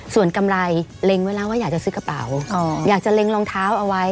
ส่วนกำไรเล็งไว้แล้วว่าอยากจะซื้อกระเป๋าอยากจะเล็งรองเท้าเอาไว้